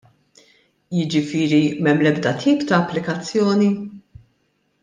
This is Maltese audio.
Jiġifieri m'hemm l-ebda tip ta' applikazzjoni?